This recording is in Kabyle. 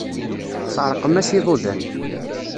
Seṛqem-as iḍudan.